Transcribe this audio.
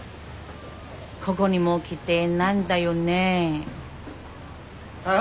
ここにも来てないんだよね。